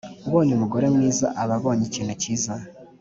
ubonye umugore mwiza aba abonye ikintu kiza